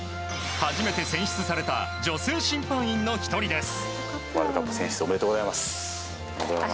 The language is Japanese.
初めて選出された女性審判員の１人です。